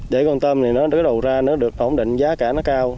để con tôm này nó đối đầu ra nó được ổn định giá cả nó cao